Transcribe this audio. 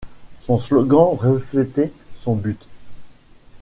Son slogan reflétait son but.